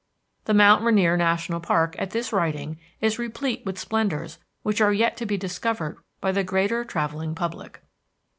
The Mount Rainier National Park at this writing is replete with splendors which are yet to be discovered by the greater travelling public.